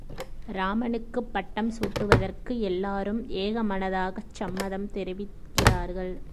ராமனுக்குப் பட்டம் சூட்டுவதற்கு எல்லாரும் ஏகமனதாகச் சம்மதம் தெரிவிக்கிறார்கள்.